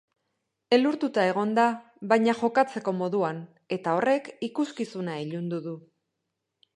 Elurtuta egon da, baina jokatzeko moduan, eta horrek ikuskizuna ilundu du.